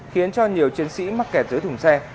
khiến cho nhiều chiến sĩ mắc kẹt giữa thùng xe